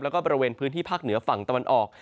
แล้วก็บริเวณพื้นที่ภาคเหนือฝั่งตะวันออก